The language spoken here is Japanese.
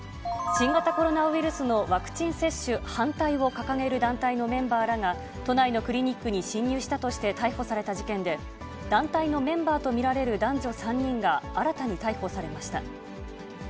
新型コロナウイルスのワクチン接種反対を掲げる団体のメンバーらが、都内のクリニックに侵入したとして逮捕された事件で、団体のメンバーと見られる男女３人が新たに逮捕されました。